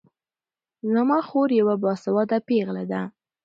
زما خور يوه باسواده پېغله ده